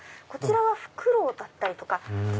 こちらはフクロウだったりとか。